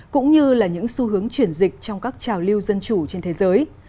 cũng như là những xu hướng chuyển dịch trong các trào lưu dân chủ trên thế giới